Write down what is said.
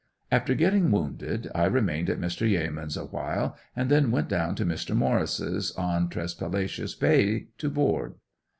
After getting wounded I remained at Mr. Yeamans' awhile and then went down to Mr. Morris' on Tresspalacious Bay to board.